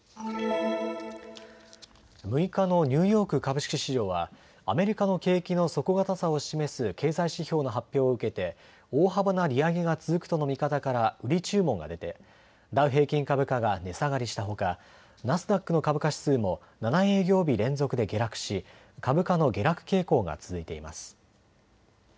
６日のニューヨーク株式市場はアメリカの景気の底堅さを示す経済指標の発表を受けて大幅な利上げが続くとの見方から売り注文が出てダウ平均株価が値下がりしたほかナスダックの株価指数も７営業日連続で下落し株価の下落傾向が続いています。